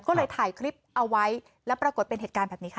ก็เลยถ่ายคลิปเอาไว้แล้วปรากฏเป็นเหตุการณ์แบบนี้ค่ะ